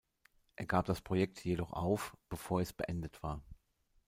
Er gab das Projekt jedoch auf, bevor es beendet war.